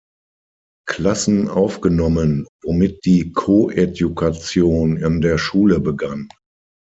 Klassen aufgenommen, womit die Koedukation an der Schule begann.